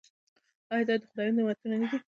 آیا دا د خدای نعمتونه نه دي؟